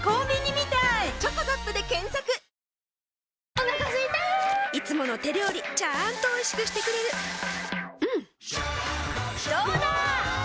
お腹すいたいつもの手料理ちゃんとおいしくしてくれるジューうんどうだわ！